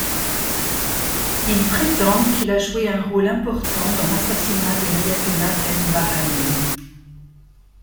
Ils prétendent qu’il a joué un rôle important dans l’assassinat de l’ayatollah Behbahani.